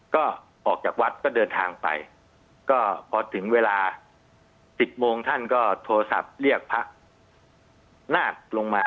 ก็ออกจากวัดก็เดินทางไปก็พอถึงเวลาสิบโมงท่านก็โทรศัพท์เรียกพระนาคลงมา